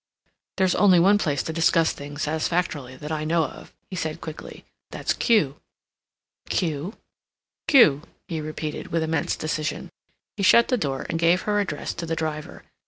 "There's only one place to discuss things satisfactorily that I know of," he said quickly; "that's Kew." "Kew?" "Kew," he repeated, with immense decision. He shut the door and gave her address to the driver.